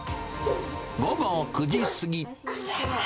午後９時過ぎ。